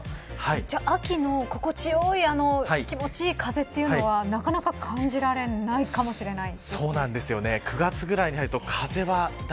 秋の心地よい気持ち良い風というのはなかなか感じられないかもしれない。